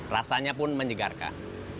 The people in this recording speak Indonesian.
rasanya pun menyegarkah